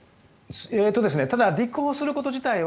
ただ立候補すること自体は。